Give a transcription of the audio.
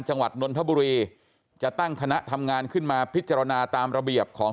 นนทบุรีจะตั้งคณะทำงานขึ้นมาพิจารณาตามระเบียบของ